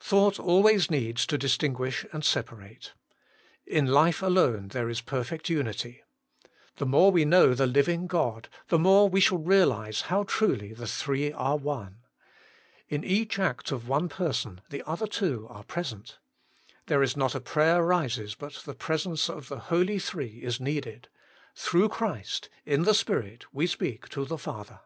1. Thought always needs to distinguish and separate : in life alone there is perfect unity. The more we know the living God, the more we shall realize how truly the Three are One. In each act of One Person the other Tivo are present. There is not a prayer rises but the Presence of the Holy Three is needed i through Christ, in the Spirit, we speak to the Father.